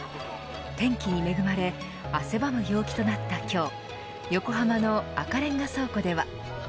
天気に恵まれ汗ばむ陽気となった今日横浜の赤レンガ倉庫では。